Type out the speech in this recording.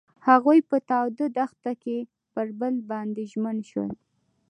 هغوی په تاوده دښته کې پر بل باندې ژمن شول.